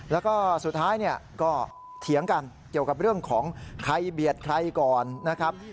แล้วก็สุดท้ายเนี่ยก็เถียงกันเกี่ยวกับเรื่องของใครเบียดใครก่อนนะครับ